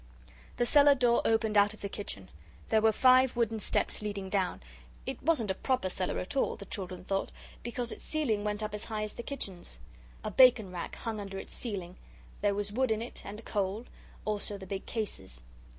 The cellar door opened out of the kitchen. There were five wooden steps leading down. It wasn't a proper cellar at all, the children thought, because its ceiling went up as high as the kitchen's. A bacon rack hung under its ceiling. There was wood in it, and coal. Also the big cases.